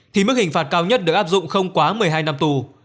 thì mức hình phạt cao nhất được áp dụng không quá một mươi hai năm tù